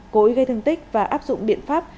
cố ý gây thương tích và áp dụng biện pháp